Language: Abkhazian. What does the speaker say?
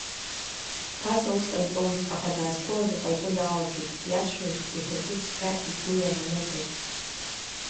Ԥаса ус ҟаиҵомызт, аха даазқәылаз иҟаиҵо далагеит, иацәажәоз иҳәатәы цқьа игәы ианамыхәоз.